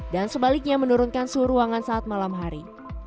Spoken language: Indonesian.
dan sebaliknya menurunkan suhu ruangan saat malam hari